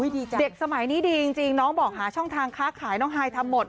ดีใจเด็กสมัยนี้ดีจริงน้องบอกหาช่องทางค้าขายน้องฮายทำหมด